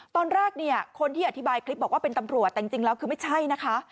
ตอนแรกเนี่ยคนที่อธิบายคลิปบอกว่าเป็นตำรวจแต่จริงแล้วคือไม่ใช่นะคะ